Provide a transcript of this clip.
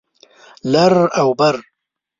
لر او بر